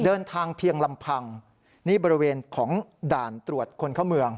เดินทางเพียงลำพังนี่บริเวณของด่านตรวจคนเข้าเมือง